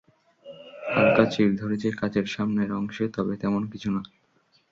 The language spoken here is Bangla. হালকা চিড় ধরেছে কাচের সামনের অংশে তবে তেমন কিছুনা।